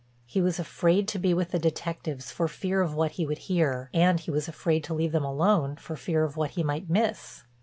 He was afraid to be with the detectives for fear of what he would hear, and he was afraid to leave them alone, for fear of what he might miss.